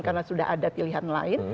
karena sudah ada pilihan lain